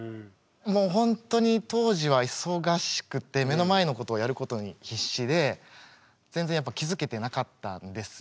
もうほんとに当時は忙しくて目の前のことをやることに必死で全然やっぱ気付けてなかったんですよ。